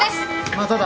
まただ。